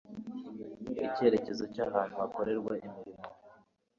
icyerekezo cy ahantu hakorerwa imirimo